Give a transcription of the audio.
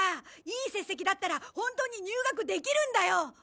いい成績だったら本当に入学できるんだよ！